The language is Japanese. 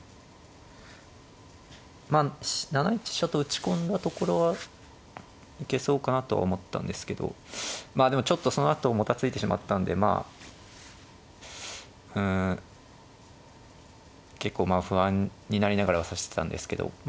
まあ７一飛車と打ち込んだところは行けそうかなとは思ったんですけどまあでもちょっとそのあともたついてしまったんでまあうん結構不安になりながら指してたんですけどま